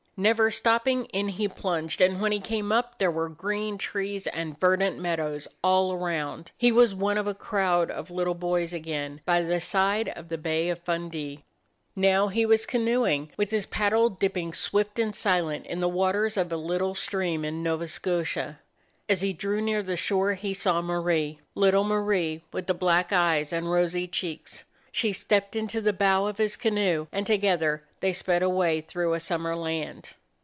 Never stopping, in he plunged, and when he came up, there were green trees and verdant meadows all around. He was one of a crowd of little boys again, by the side of the Bay of Fundy. Now he was canoeing, with his paddle dip ping swift and silent in the waters of a little stream in Nova Scotia. As he drew near the shore he saw Marie; little Marie, with the black eyes and rosy cheeks. She stepped into the bow of his canoe, and together they sped away through a summer land.